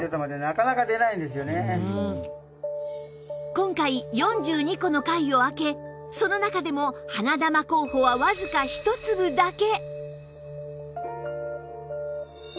今回４２個の貝を開けその中でも花珠候補はわずか１粒だけ！